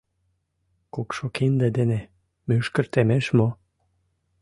— Кукшо кинде дене мӱшкыр темеш мо?